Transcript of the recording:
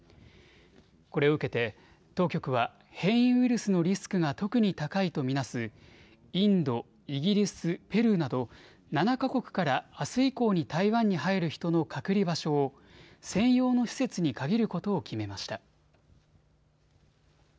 これを受けて当局は変異ウイルスのリスクが特に高いとみなすインド、イギリス、ペルーなど７か国からあす以降に台湾に入る人の隔離場所を専用の施設に限ることを決めました。